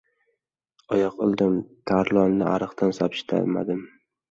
Oyoq ildim. Tarlonni ariqdan sapchitmadim.